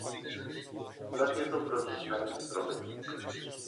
Snad je to pro ty staré stromy.